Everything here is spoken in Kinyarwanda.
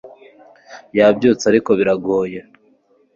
yabyutsa ariko biragoye